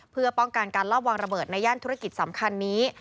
เพื่อป้องกันการลอบวางระเบิดในย่านธุรกิจสำคัญนี้